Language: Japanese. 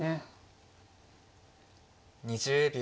２０秒。